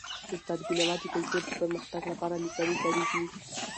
استاد بینوا د کلتور د پرمختګ لپاره لیکني کړي دي.